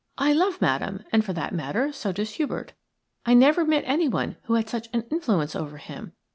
"I love Madame, and, for that matter, so does Hubert. I never met anyone who had such an influence over him.